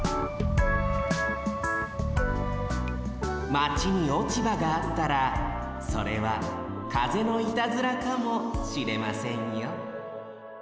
マチに落ち葉があったらそれは風のいたずらかもしれませんよ